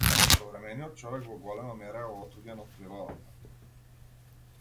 Современиот човек во голема мера е отуѓен од природата.